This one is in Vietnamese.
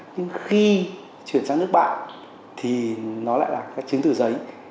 nhưng khi chuyển sang nước bạn thì nó lại là các chứng từ giấy